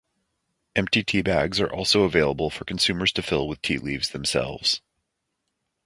Empty tea bags are also available for consumers to fill with tea leaves themselves.